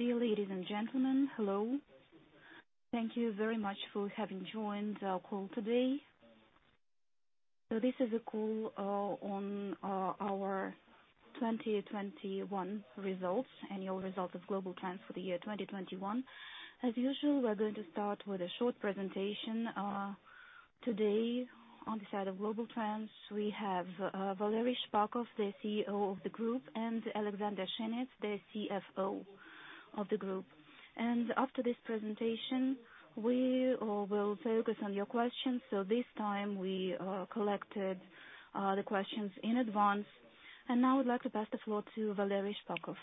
Dear ladies and gentlemen, hello. Thank you very much for having joined our call today. This is a call on our 2021 results, annual result of Globaltrans for the year 2021. As usual, we're going to start with a short presentation. Today on the side of Globaltrans, we have Valery Shpakov, the CEO of the group, and Alexander Shenets, the CFO of the group. After this presentation, we all will focus on your questions. This time we collected the questions in advance, and now I would like to pass the floor to Valery Shpakov.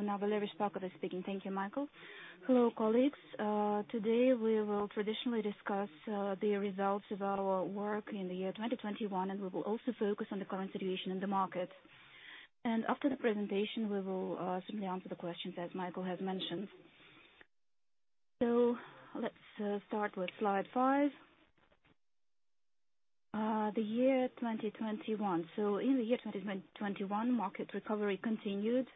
Now Valery Shpakov is speaking. Thank you, Mikhail. Hello, colleagues. Today we will traditionally discuss the results of our work in the year 2021, and we will also focus on the current situation in the market. After the presentation, we will simply answer the questions as Mikhail has mentioned. Let's start with slide five. The year 2021. In the year 2021, market recovery continued.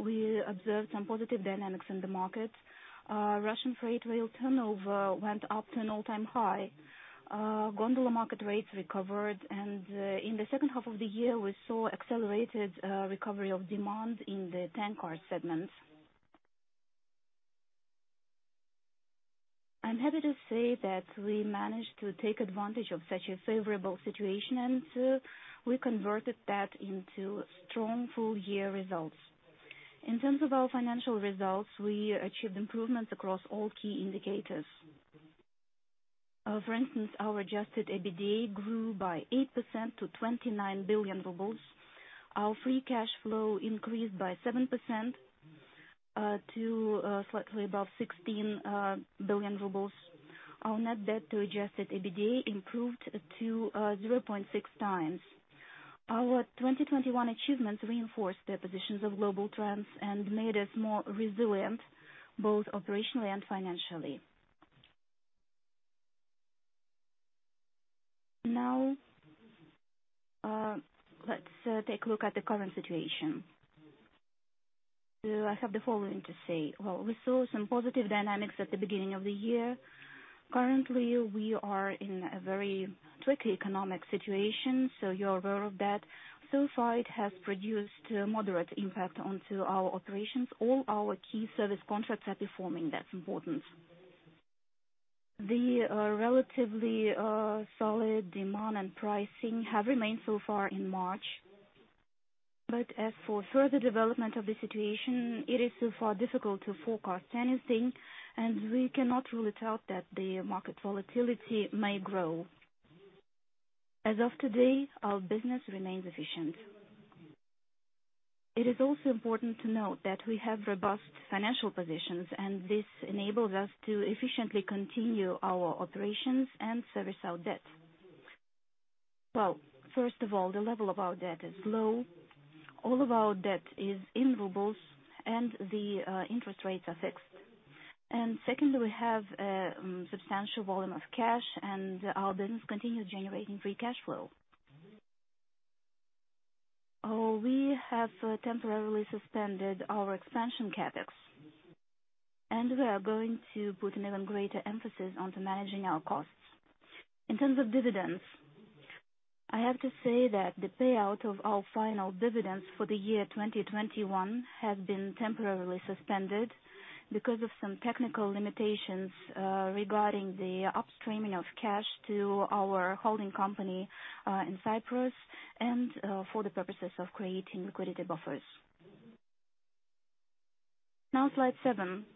We observed some positive dynamics in the market. Russian freight rail turnover went up to an all-time high. Gondola market rates recovered. In the half of the year, we saw accelerated recovery of demand in the tank car segment. I'm happy to say that we managed to take advantage of such a favorable situation, and we converted that into strong full year results. In terms of our financial results, we achieved improvements across all key indicators. For instance, our adjusted EBITDA grew by 8% to 29 billion rubles. Our free cash flow increased by 7% to slightly above 16 billion rubles. Our net debt to adjusted EBITDA improved to 0.6x. Our 2021 achievements reinforced the positions of Globaltrans and made us more resilient both operationally and financially. Now, let's take a look at the current situation. I have the following to say. Well, we saw some positive dynamics at the beginning of the year. Currently, we are in a very tricky economic situation, so you're aware of that. So far it has produced a moderate impact onto our operations. All our key service contracts are performing. That's important. The relatively solid demand and pricing have remained so far in March. As for further development of the situation, it is so far difficult to forecast anything, and we cannot really tell that the market volatility may grow. As of today, our business remains efficient. It is also important to note that we have robust financial positions, and this enables us to efficiently continue our operations and service our debt. Well, of all, the level of our debt is low. All of our debt is in rubles and the interest rates are fixed. Secondly, we have substantial volume of cash and our business continues generating free cash flow. We have temporarily suspended our expansion CapEx, and we are going to put an even greater emphasis on to managing our costs. In terms of dividends, I have to say that the payout of our final dividends for the year 2021 has been temporarily suspended because of some technical limitations regarding the upstreaming of cash to our holding company in Cyprus and for the purposes of creating liquidity buffers. Now slide seven.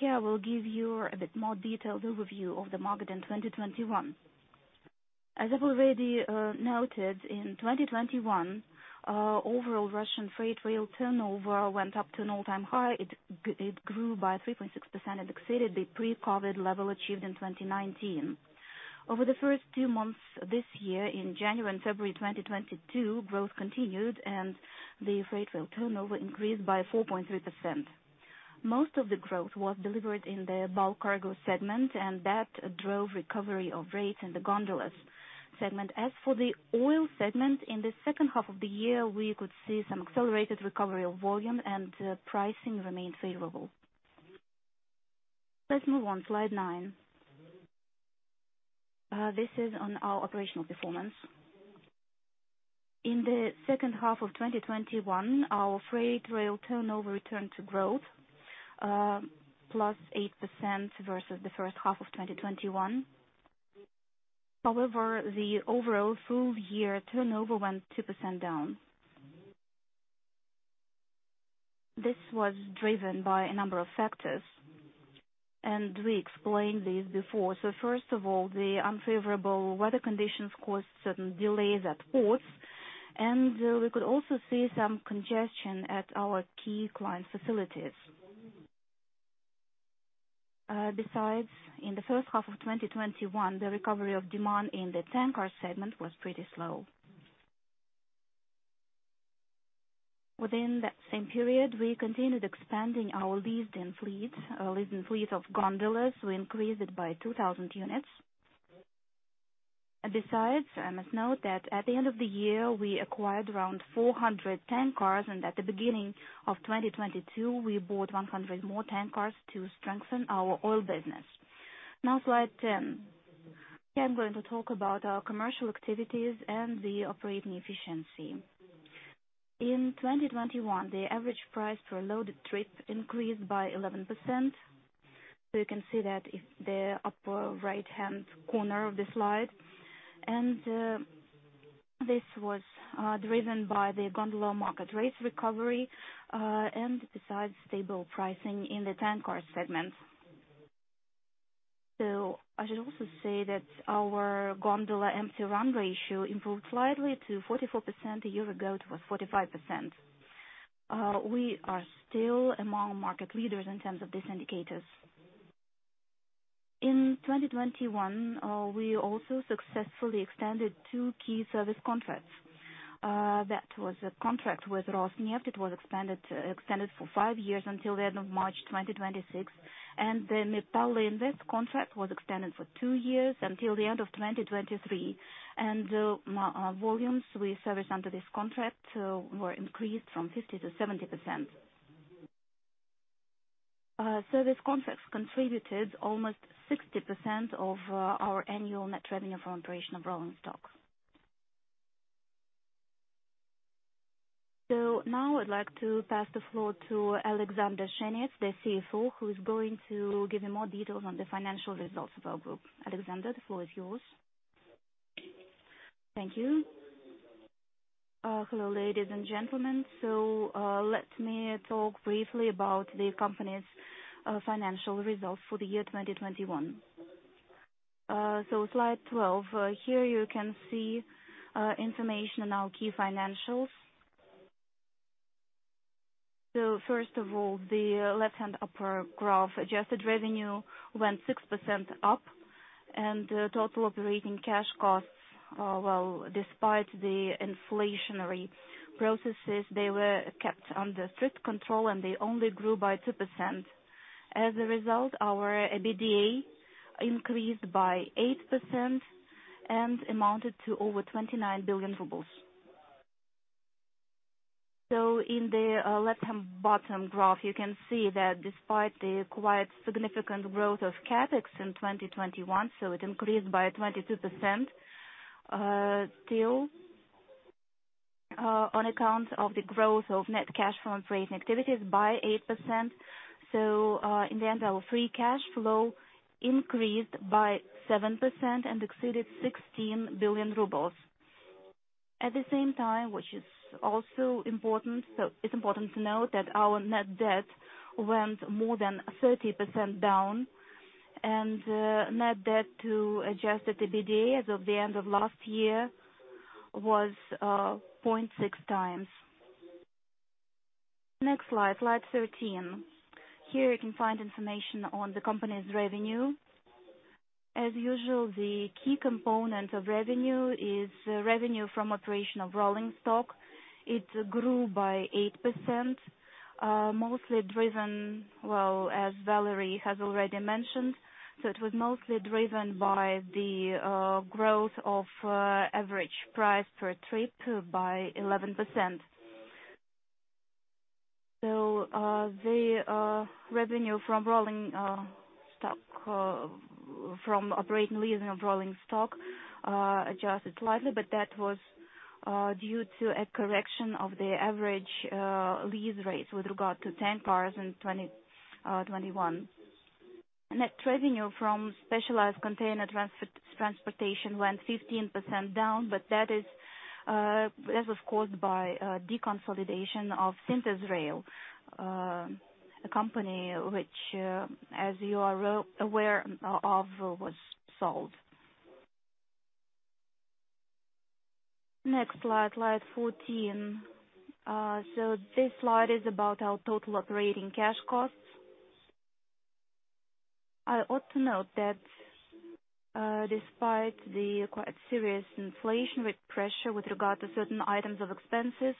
Here I will give you a bit more detailed overview of the market in 2021. As I've already noted, in 2021, overall Russian freight rail turnover went up to an all-time high. It grew by 3.6% and exceeded the pre-COVID level achieved in 2019. Over the two months this year, in January and February 2022, growth continued and the freight rail turnover increased by 4.3%. Most of the growth was delivered in the bulk cargo segment, and that drove recovery of rates in the gondolas segment. As for the oil segment, in the half of the year, we could see some accelerated recovery of volume and pricing remained favorable. Let's move on, slide nine. This is on our operational performance. In the half of 2021, our freight rail turnover returned to growth, +8% versus the half of 2021. However, the overall full year turnover went 2% down. This was driven by a number of factors, and we explained these before. First of all, the unfavorable weather conditions caused certain delays at ports, and we could also see some congestion at our key client facilities. Besides, in the half of 2021, the recovery of demand in the tank car segment was pretty slow. Within that same period, we continued expanding our leased-in fleet. Our leased-in fleet of gondolas, we increased it by 2,000 units. Besides, I must note that at the end of the year, we acquired around 400 tank cars, and at the beginning of 2022, we bought 100 more tank cars to strengthen our oil business. Now slide 10. Here I'm going to talk about our commercial activities and the operating efficiency. In 2021, the average price for a loaded trip increased by 11%. So you can see that in the upper right-hand corner of the slide. This was driven by the gondola market rate recovery, and besides stable pricing in the tank car segment. So I should also say that our gondola Empty Run Ratio improved slightly to 44%. A year ago, it was 45%. We are still among market leaders in terms of these indicators. In 2021, we also successfully extended two key service contracts. That was a contract with Rosneft. It was expanded, extended for five years until the end of March 2026. The Metalloinvest contract was extended for two years until the end of 2023. Volumes we service under this contract were increased from 50%-70%. Service contracts contributed almost 60% of our annual net revenue from operation of rolling stock. Now I'd like to pass the floor to Alexander Shenets, the CFO, who is going to give you more details on the financial results of our group. Alexander, the floor is yours. Thank you. Hello, ladies and gentlemen. Let me talk briefly about the company's financial results for the year 2021. Slide 12. Here you can see information on our key financials. First of all, the left-hand upper graph adjusted revenue went 6% up and total operating cash costs, despite the inflationary processes, they were kept under strict control, and they only grew by 2%. As a result, our EBITDA increased by 8% and amounted to over 29 billion rubles. In the left-hand bottom graph you can see that despite the quite significant growth of CapEx in 2021, it increased by 22%, still, on account of the growth of net cash from operating activities by 8%. In the end, our free cash flow increased by 7% and exceeded 16 billion rubles. At the same time, which is also important, it's important to note that our net debt went more than 30% down and net debt to adjusted EBITDA as of the end of last year was 0.6x. Next slide 13. Here you can find information on the company's revenue. As usual, the key component of revenue is revenue from operation of rolling stock. It grew by 8%, mostly driven, as Valery has already mentioned, by the growth of average price per trip by 11%. The revenue from operating leasing of rolling stock adjusted slightly, but that was due to a correction of the average lease rates with regard to 10 cars in 2021. Net revenue from specialized container transportation went 15% down, but that is, that was caused by deconsolidation of SyntezRail, a company which, as you are well aware, of was sold. Next slide 14. This slide is about our total operating cash costs. I ought to note that, despite the quite serious inflationary pressure with regard to certain items of expenses,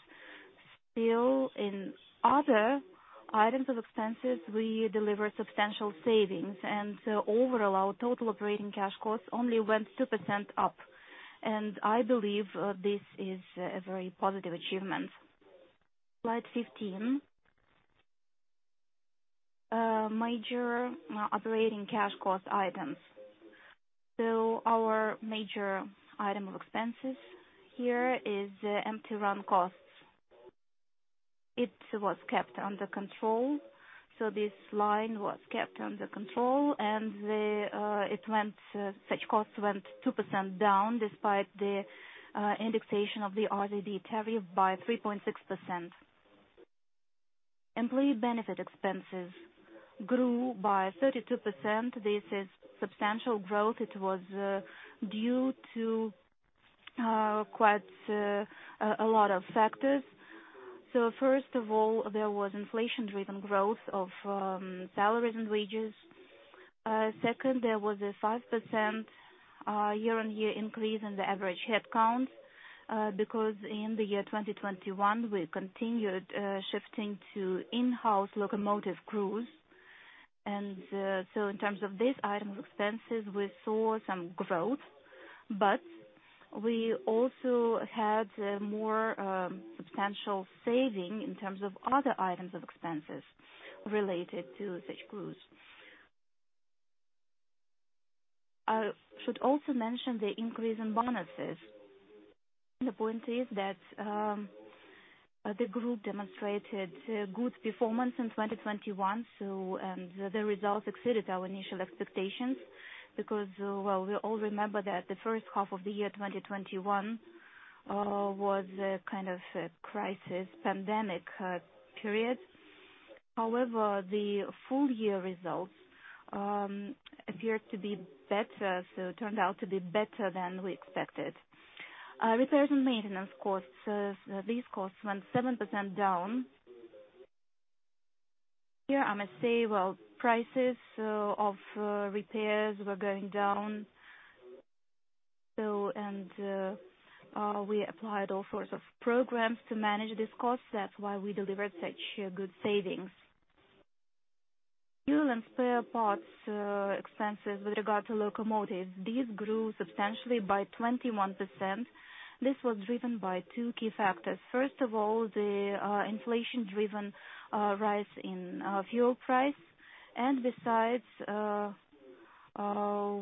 still in other items of expenses, we delivered substantial savings. Overall, our total operating cash costs only went 2% up, and I believe, this is a very positive achievement. Slide 15. Major operating cash cost items. Our major item of expenses here is the empty run costs. It was kept under control. This line was kept under control and such costs went 2% down despite the indexation of the RZD tariff by 3.6%. Employee benefit expenses grew by 32%. This is substantial growth. It was due to quite a lot of factors. First of all, there was inflation-driven growth of salaries and wages. Second, there was a 5% year-on-year increase in the average head count because in the year 2021, we continued shifting to in-house locomotive crews. In terms of this item expenses, we saw some growth, but we also had more substantial saving in terms of other items of expenses related to such crews. I should also mention the increase in bonuses. The point is that, the group demonstrated, good performance in 2021, so and the results exceeded our initial expectations because, well, we all remember that the half of the year, 2021, was a kind of a crisis pandemic, period. However, the full year results, appeared to be better, so turned out to be better than we expected. Repairs and maintenance costs, these costs went 7% down. Here, I must say, well, prices of repairs were going down, and we applied all sorts of programs to manage these costs. That's why we delivered such, good savings. Fuel and spare parts, expenses with regard to locomotives, these grew substantially by 21%. This was driven by two key factors. First of all, the, inflation-driven, rise in, fuel price. Besides,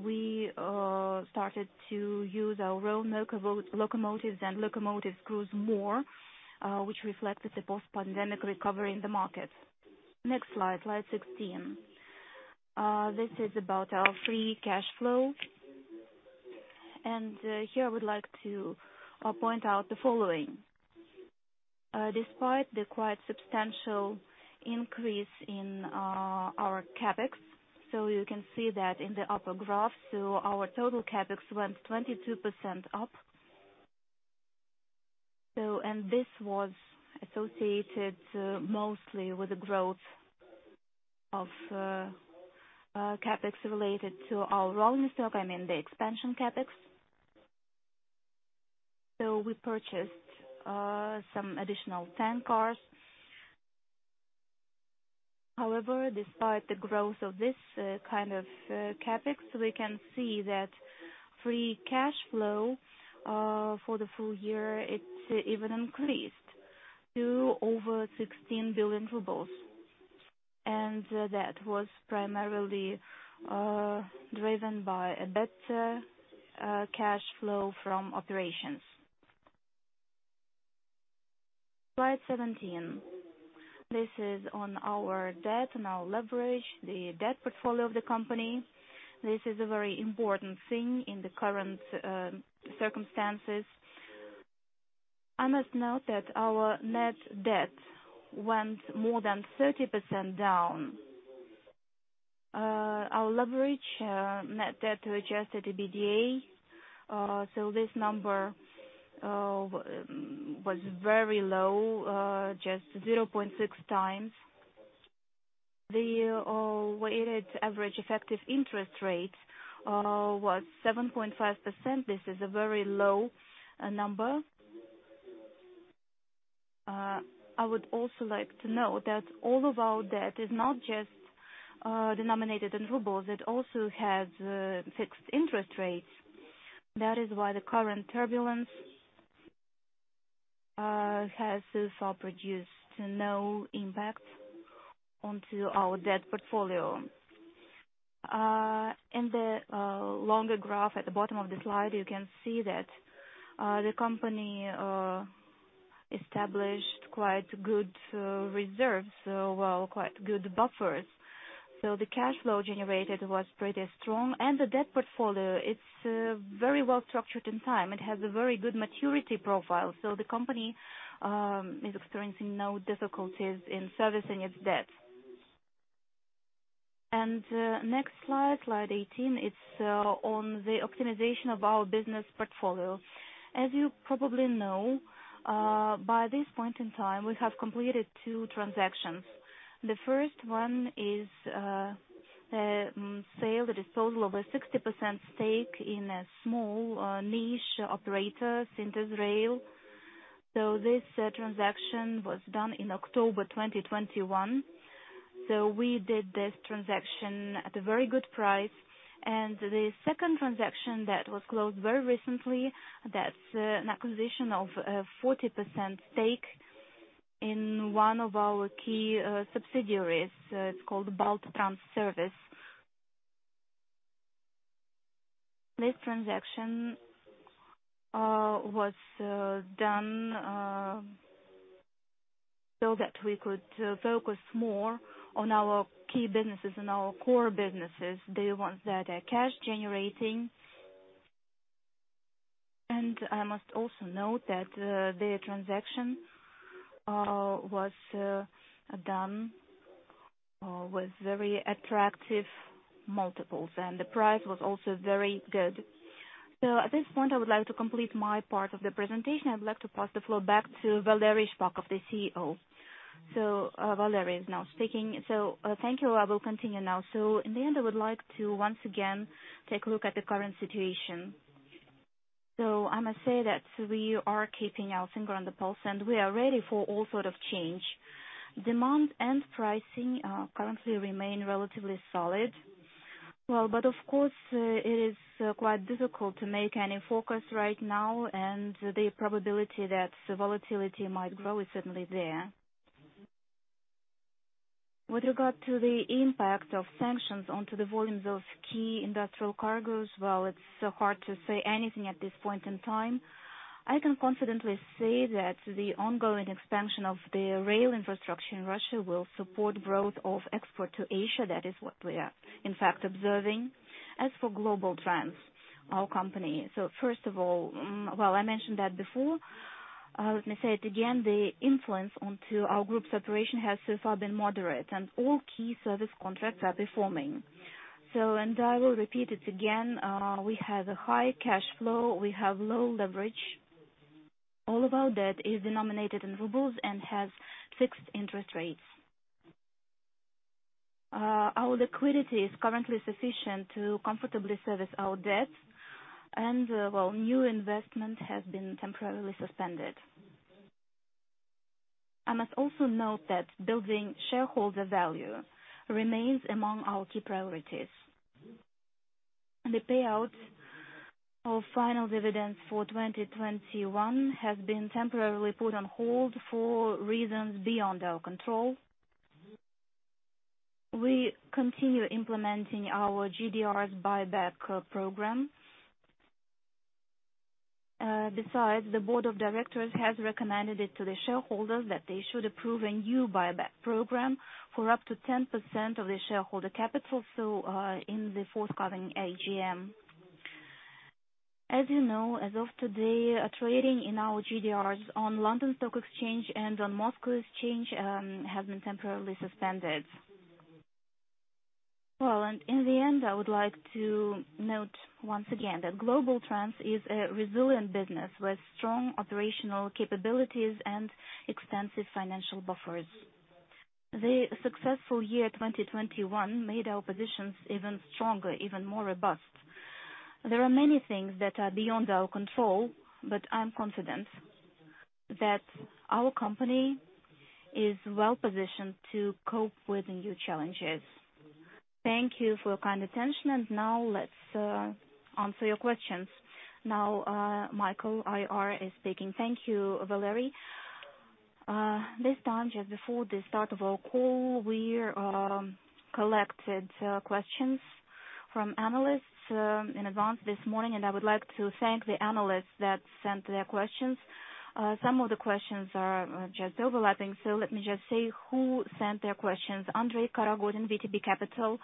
we started to use our own locomotives and locomotive crews more, which reflected the post-pandemic recovery in the market. Next slide 16. This is about our free cash flow. Here, I would like to point out the following. Despite the quite substantial increase in our CapEx, so you can see that in the upper graph. Our total CapEx went 22% up, and this was associated mostly with the growth of CapEx related to our rolling stock, I mean the expansion CapEx. We purchased some additional tank cars. However, despite the growth of this kind of CapEx, we can see that free cash flow for the full year, it even increased to over 16 billion rubles. That was primarily driven by a better cash flow from operations. Slide 17. This is on our debt and our leverage, the debt portfolio of the company. This is a very important thing in the current circumstances. I must note that our net debt went more than 30% down. Our leverage, net debt to adjusted EBITDA, so this number was very low, just 0.6x. The weighted average effective interest rate was 7.5%. This is a very low number. I would also like to note that all of our debt is not just denominated in rubles. It also has fixed interest rates. That is why the current turbulence has so far produced no impact onto our debt portfolio. In the longer graph at the bottom of the slide, you can see that the company established quite good reserves, quite good buffers. The cash flow generated was pretty strong. The debt portfolio, it's very well structured in time. It has a very good maturity profile, so the company is experiencing no difficulties in servicing its debt. Next slide 18, it's on the optimization of our business portfolio. As you probably know, by this point in time, we have completed two transactions. The one is the disposal of a 60% stake in a small niche operator, SyntezRail. This transaction was done in October 2021. We did this transaction at a very good price. The transaction that was closed very recently, that's an acquisition of 40% stake in one of our key subsidiaries. It's called BaltTransServis. This transaction was done so that we could focus more on our key businesses and our core businesses, the ones that are cash generating. I must also note that the transaction was done with very attractive multiples, and the price was also very good. At this point, I would like to complete my part of the presentation. I would like to pass the floor back to Valery Shpakov, the CEO. Valery is now speaking. Thank you. I will continue now. In the end, I would like to once again take a look at the current situation. I must say that we are keeping our finger on the pulse, and we are ready for all sort of change. Demand and pricing currently remain relatively solid. Well, but of course, it is quite difficult to make any forecast right now, and the probability that the volatility might grow is certainly there. With regard to the impact of sanctions onto the volumes of key industrial cargos, well, it's so hard to say anything at this point in time. I can confidently say that the ongoing expansion of the rail infrastructure in Russia will support growth of export to Asia. That is what we are, in fact, observing. As for Globaltrans, our company. First of all, well, I mentioned that before. Let me say it again. The influence onto our group's operation has so far been moderate, and all key service contracts are performing. I will repeat it again. We have a high cash flow. We have low leverage. All of our debt is denominated in rubles and has fixed interest rates. Our liquidity is currently sufficient to comfortably service our debt and new investment has been temporarily suspended. I must also note that building shareholder value remains among our key priorities. The payout of final dividends for 2021 has been temporarily put on hold for reasons beyond our control. We continue implementing our GDRs buyback program. Besides, the board of directors has recommended it to the shareholders that they should approve a new buyback program for up to 10% of the shareholder capital in the forthcoming AGM. As you know, as of today, trading in our GDRs on London Stock Exchange and on Moscow Exchange has been temporarily suspended. Well, in the end, I would like to note once again that Globaltrans is a resilient business with strong operational capabilities and extensive financial buffers. The successful year 2021 made our positions even stronger, even more robust. There are many things that are beyond our control, but I'm confident that our company is well-positioned to cope with new challenges. Thank you for your kind attention, and now let's answer your questions. Now, Mikhail is speaking. Thank you, Valery. This time just before the start of our call, we collected questions from analysts in advance this morning, and I would like to thank the analysts that sent their questions. Some of the questions are just overlapping, so let me just say who sent their questions. Andrey Karagodin, VTB Capital,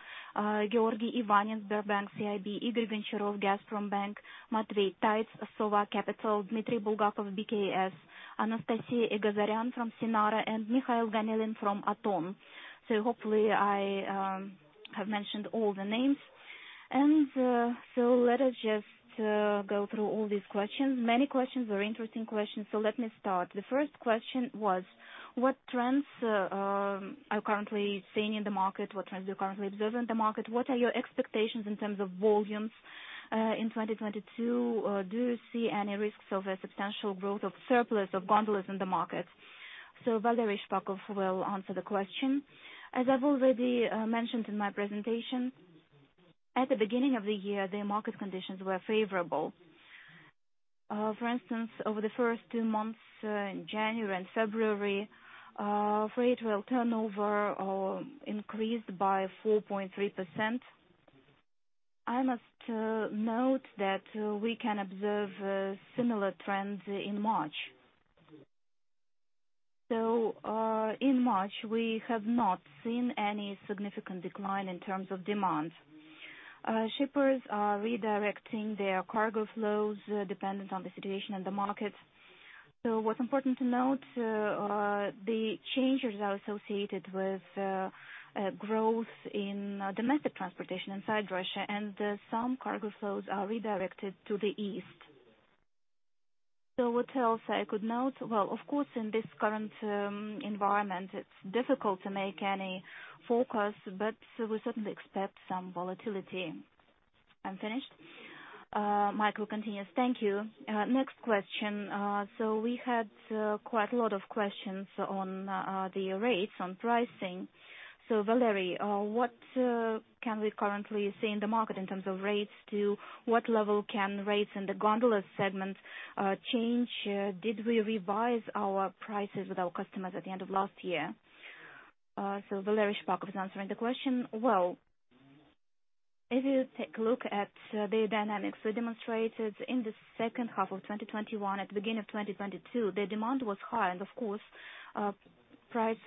Georgi Ivanin, Sberbank CIB, Igor Venturov, Gazprombank, Matvey Tayts, Sova Capital, Dmitry Bulgakov, BCS, Anastasiya Egiazaryan from Sinara, and Mikhail Ganilin from Atom. Hopefully I have mentioned all the names. Let us just go through all these questions. Many questions, very interesting questions. Let me start. The question was, what trends are currently seen in the market? What trends you're currently observing in the market? What are your expectations in terms of volumes in 2022? Do you see any risks of a substantial growth of surplus of tankers in the market? Valery Shpakov will answer the question. As I've already mentioned in my presentation, at the beginning of the year, the market conditions were favorable. For instance, over the two months in January and February, freight rail turnover increased by 4.3%. I must note that we can observe similar trends in March. In March, we have not seen any significant decline in terms of demand. Shippers are redirecting their cargo flows dependent on the situation in the market. What's important to note, the changes are associated with growth in domestic transportation inside Russia, and some cargo flows are redirected to the east. What else I could note? Well, of course, in this current environment, it's difficult to make any forecast, but we certainly expect some volatility. I'm finished. Mikhail continues. Thank you. Next question. We had quite a lot of questions on the rates on pricing. Valery, what can we currently see in the market in terms of rates? To what level can rates in the gondola segment change? Did we revise our prices with our customers at the end of last year? Valery Shpakov is answering the question. Well, if you take a look at the dynamics we demonstrated in the half of 2021, at the beginning of 2022, the demand was high, and of course, price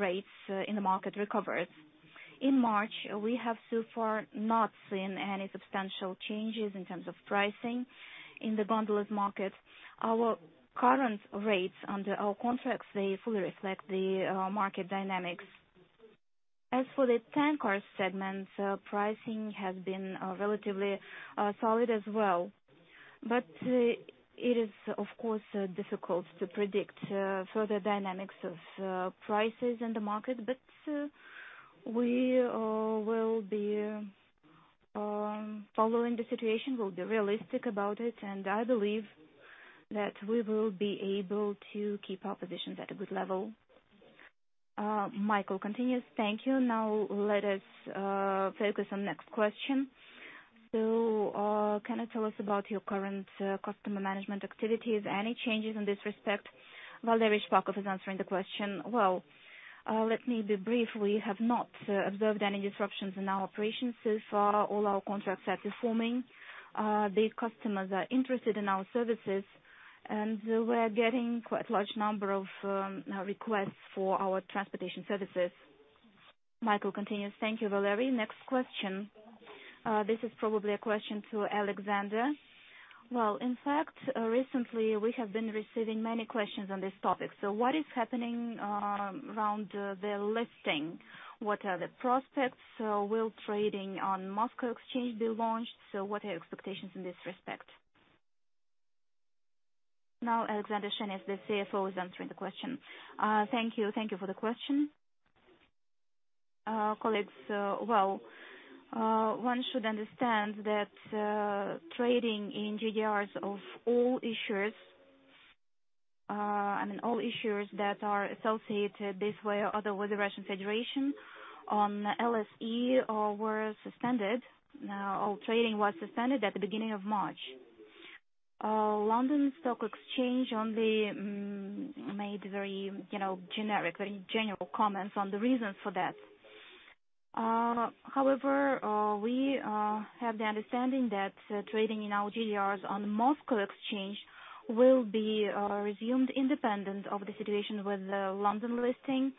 rates in the market recovered. In March, we have so far not seen any substantial changes in terms of pricing in the gondolas market. Our current rates under our contracts, they fully reflect the market dynamics. As for the tanker segment, pricing has been relatively solid as well. It is, of course, difficult to predict further dynamics of prices in the market. We will be following the situation. We'll be realistic about it, and I believe that we will be able to keep our positions at a good level. Mikhail continues. Thank you. Now let us focus on next question. Can you tell us about your current customer management activities? Any changes in this respect? Valery Shpakov is answering the question. Well, let me be brief. We have not observed any disruptions in our operations so far. All our contracts are performing. The customers are interested in our services, and we're getting quite large number of requests for our transportation services. Mikhail continues. Thank you, Valery. Next question. This is probably a question to Alexander. Well, in fact, recently we have been receiving many questions on this topic. What is happening around the listing? What are the prospects? Will trading on Moscow Exchange be launched? What are your expectations in this respect? Now, Alexander Shenets, the CFO, is answering the question. Thank you. Thank you for the question. Colleagues, well, one should understand that trading in GDRs of all issuers, I mean all issuers that are associated this way or other with the Russian Federation on LSE, were suspended. All trading was suspended at the beginning of March. London Stock Exchange only made very, you know, generic, very general comments on the reasons for that. However, we have the understanding that trading in our GDRs on Moscow Exchange will be resumed independent of the situation with the London listing.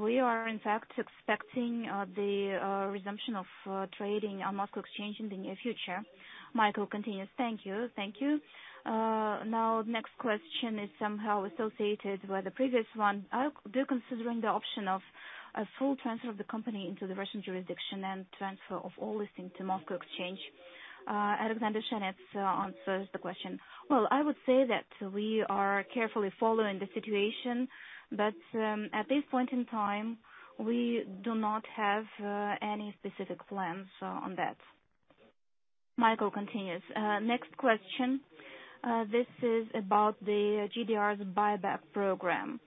We are in fact expecting the resumption of trading on Moscow Exchange in the near future. Mikhail continues. Thank you. Thank you. Now, next question is somehow associated with the previous one. Are you considering the option of a full transfer of the company into the Russian jurisdiction and transfer of all listing to Moscow Exchange? Alexander Shenets answers the question. Well, I would say that we are carefully following the situation, but at this point in time, we do not have any specific plans on that. Mikhail continues. Next question. This is about the GDR's buyback program.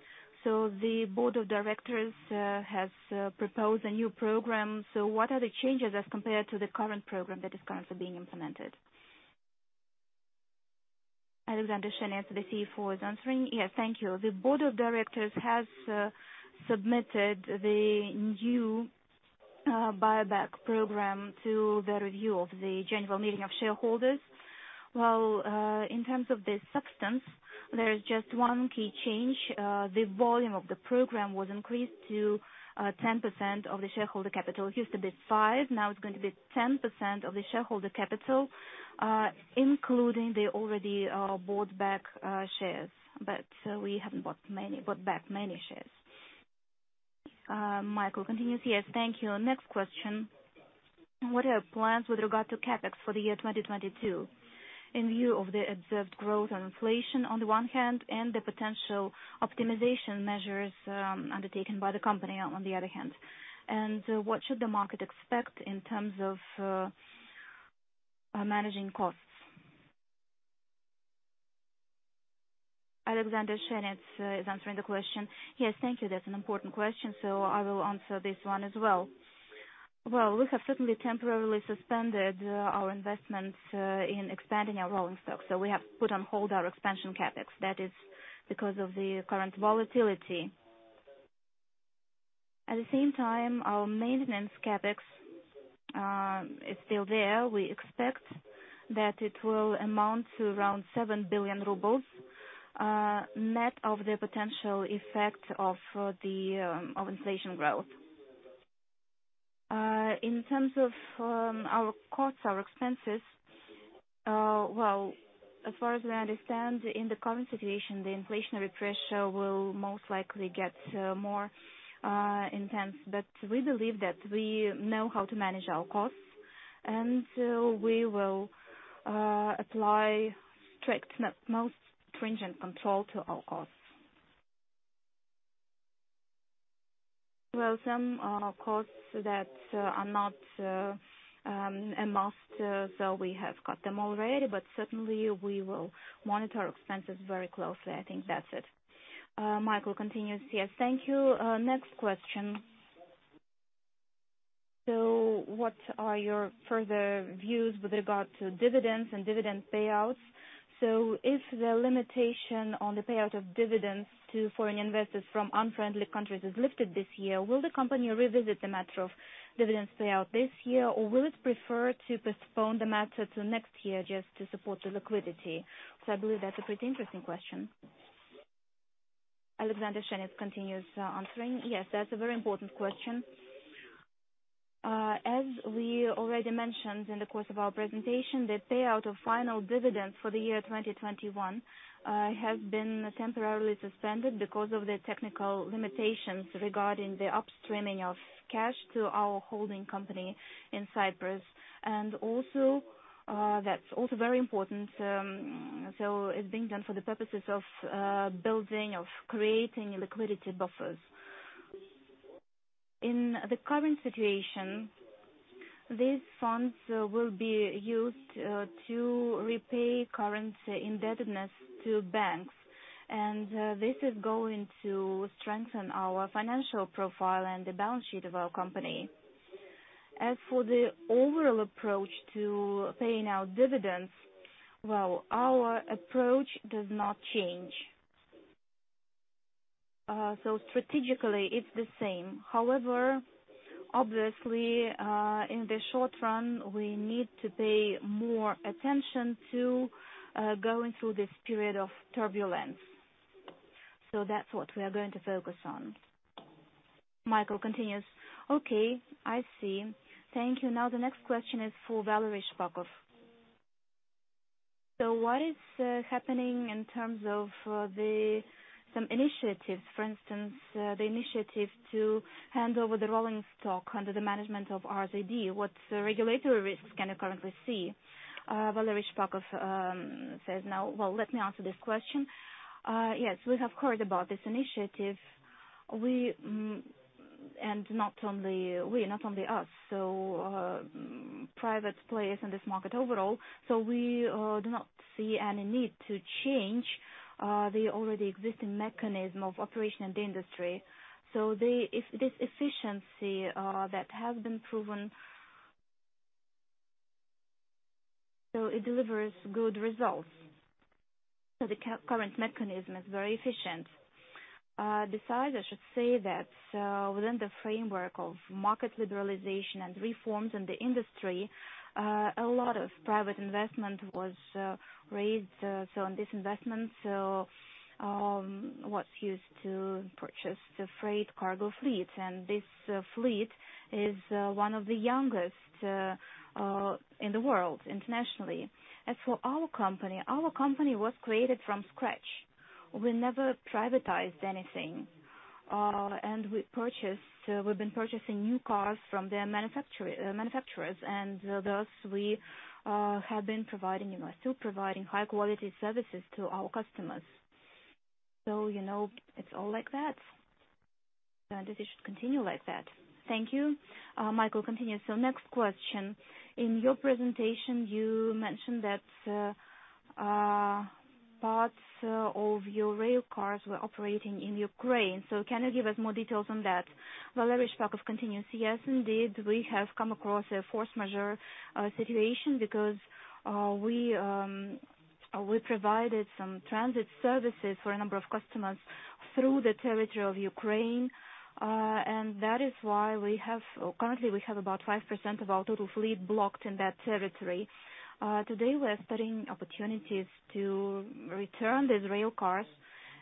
The board of directors has proposed a new program. What are the changes as compared to the current program that is currently being implemented? Alexander Shenets, the CFO, is answering. Yes, thank you. The board of directors has submitted the new buyback program to the review of the general meeting of shareholders. Well, in terms of the substance, there is just one key change. The volume of the program was increased to 10% of the share capital. It used to be 5%, now it's going to be 10% of the share capital, including the already bought back shares. We haven't bought back many shares. Mikhail continues. Yes, thank you. Next question. What are your plans with regard to CapEx for the year 2022 in view of the observed growth and inflation on the one hand, and the potential optimization measures undertaken by the company on the other hand? What should the market expect in terms of managing costs? Alexander Shenets is answering the question. Yes, thank you. That's an important question, so I will answer this one as well. Well, we have certainly temporarily suspended our investment in expanding our rolling stock, so we have put on hold our expansion CapEx. That is because of the current volatility. At the same time, our maintenance CapEx is still there. We expect that it will amount to around 7 billion rubles net of the potential effect of inflation growth. In terms of our costs, our expenses, well, as far as I understand, in the current situation, the inflationary pressure will most likely get more intense. We believe that we know how to manage our costs, and we will apply strict, most stringent control to our costs. Well, some costs that are not a must, so we have cut them already, but certainly we will monitor expenses very closely. I think that's it. Mikhail continues. Yes, thank you. Next question. What are your further views with regard to dividends and dividend payouts? If the limitation on the payout of dividends to foreign investors from unfriendly countries is lifted this year, will the company revisit the matter of dividends payout this year, or will it prefer to postpone the matter to next year just to support the liquidity? I believe that's a pretty interesting question. Alexander Shenets continues answering. Yes, that's a very important question. As we already mentioned in the course of our presentation, the payout of final dividends for the year 2021 has been temporarily suspended because of the technical limitations regarding the upstreaming of cash to our holding company in Cyprus. Also, that's also very important, it's being done for the purposes of building, of creating liquidity buffers. In the current situation, these funds will be used to repay current indebtedness to banks. This is going to strengthen our financial profile and the balance sheet of our company. As for the overall approach to paying out dividends, well, our approach does not change. Strategically it's the same. However, obviously, in the short run, we need to pay more attention to going through this period of turbulence. That's what we are going to focus on. Mikhail continues. Okay, I see. Thank you. Now the next question is for Valery Shpakov. What is happening in terms of some initiatives, for instance, the initiative to hand over the rolling stock under the management of RZD? What regulatory risks can you currently see? Valery Shpakov says now. Well, let me answer this question. Yes, we have heard about this initiative. We... Not only we, not only us, private players in this market overall. We do not see any need to change the already existing mechanism of operation in the industry. The efficiency that has been proven delivers good results. The current mechanism is very efficient. Besides, I should say that within the framework of market liberalization and reforms in the industry, a lot of private investment was raised, so this investment was used to purchase the freight car fleet, and this fleet is one of the youngest in the world internationally. As for our company, our company was created from scratch. We never privatized anything, and we purchased, we've been purchasing new cars from their manufacturers, and thus we have been providing and are still providing high quality services to our customers. You know, it's all like that, and it should continue like that. Thank you. Mikhail continues. Next question. In your presentation, you mentioned that parts of your rail cars were operating in Ukraine. Can you give us more details on that? Valery Shpakov continues. Yes, indeed. We have come across a force majeure situation because we provided some transit services for a number of customers through the territory of Ukraine. And that is why we currently have about 5% of our total fleet blocked in that territory. Today, we're studying opportunities to return these rail cars.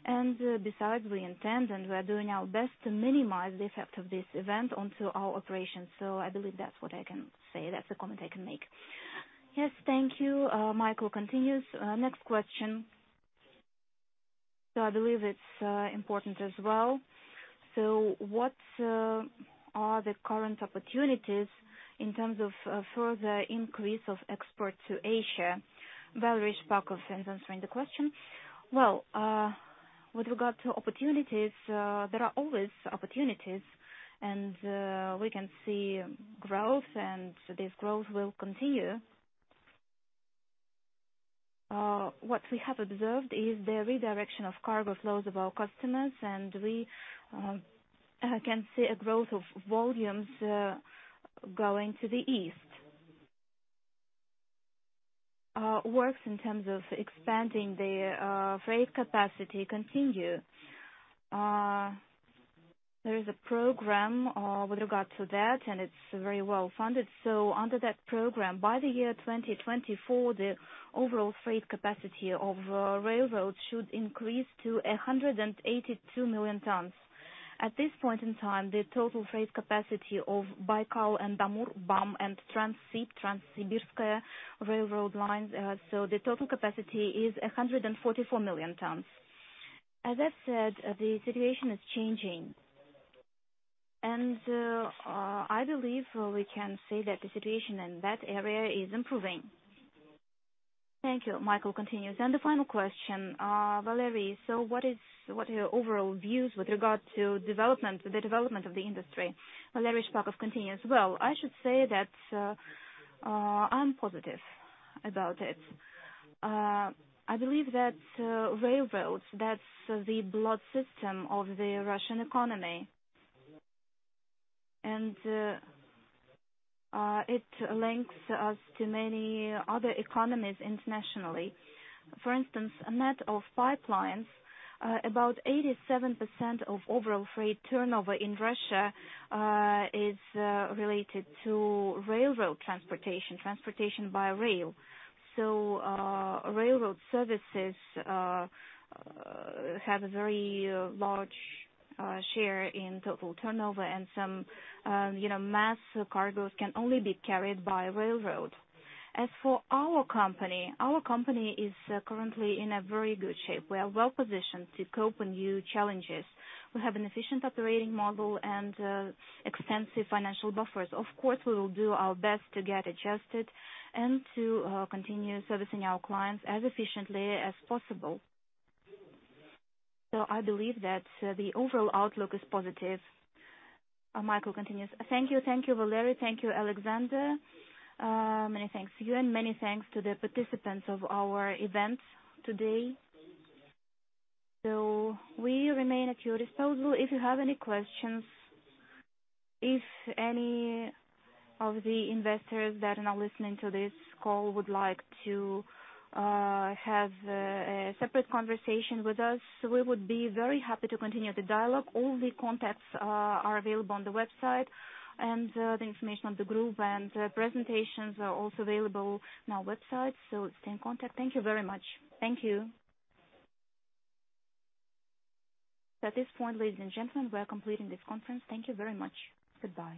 Besides, we intend and we are doing our best to minimize the effect of this event onto our operations. I believe that's what I can say. That's a comment I can make. Yes, thank you. Mikhail continues. Next question. I believe it's important as well. What are the current opportunities in terms of further increase of exports to Asia? Valery Shpakov is answering the question. Well, with regard to opportunities, there are always opportunities, and we can see growth, and this growth will continue. What we have observed is the redirection of cargo flows of our customers, and we can see a growth of volumes going to the east. Works in terms of expanding the freight capacity continue. There is a program with regard to that, and it's very well-funded. Under that program, by the year 2024, the overall freight capacity of railroads should increase to 182 million tons. At this point in time, the total freight capacity of Baikal and Amur, BAM, and Transsib, Transsibirskaya railroad lines, so the total capacity is 144 million tons. As I said, the situation is changing. I believe we can say that the situation in that area is improving. Thank you. The final question, Valery, so what are your overall views with regard to development, the development of the industry? Valery Shpakov continues. Well, I should say that, I'm positive about it. I believe that railroads, that's the blood system of the Russian economy, and it links us to many other economies internationally. For instance, net of pipelines, about 87% of overall freight turnover in Russia is related to railroad transportation by rail. Railroad services have a very large share in total turnover and some, you know, mass cargos can only be carried by railroad. As for our company, our company is currently in a very good shape. We are well-positioned to cope with new challenges. We have an efficient operating model and extensive financial buffers. Of course, we will do our best to get adjusted and to continue servicing our clients as efficiently as possible. I believe that the overall outlook is positive. Mikhail continues. Thank you. Thank you, Valery. Thank you, Alexander. Many thanks to you, and many thanks to the participants of our event today. We remain at your disposal. If you have any questions, if any of the investors that are now listening to this call would like to have a separate conversation with us, we would be very happy to continue the dialogue. All the contacts are available on the website, and the information on the group and presentations are also available on our website, so stay in contact. Thank you very much. Thank you. At this point, ladies and gentlemen, we are completing this conference. Thank you very much. Goodbye.